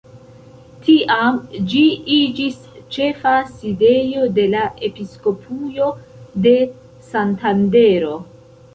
Tiam ĝi iĝis ĉefa sidejo de la episkopujo de Santandero.